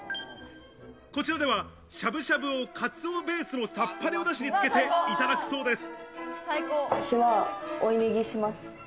こちらでは、しゃぶしゃぶをかつおベースのさっぱりおだしにつけていただくそうです。